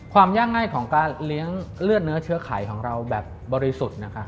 ความยากง่ายของการเลี้ยงเลือดเนื้อเชื้อไขของเราแบบบริสุทธิ์นะคะ